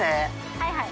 はいはい。